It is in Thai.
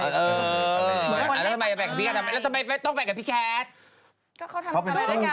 ทำไมต้องแปลกกับพี่แคท